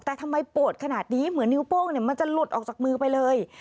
แต่ทำไมปวดขนาดนี้เหมือนนิ้วโป้งมันจะหลุดออกจากมือไปเลย